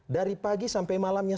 dari pagi sampai malamnya